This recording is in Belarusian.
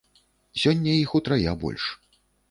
Сёння іх утрая больш.